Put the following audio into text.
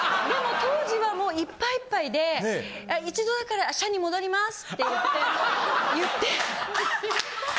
でも当時はもういっぱいいっぱいで「一度だから社に戻ります」って言って。